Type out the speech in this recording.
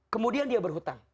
kemudian dia berhutang